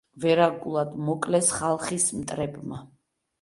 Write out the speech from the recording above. ვერაგულად მოკლეს ხალხის მტრებმა.